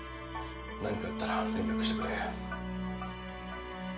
何かあったら連絡してくれ。